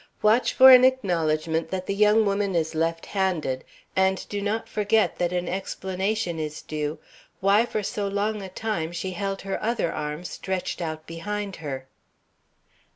Watch for an acknowledgment that the young woman is left handed, and do not forget that an explanation is due why for so long a time she held her other arm stretched out behind her.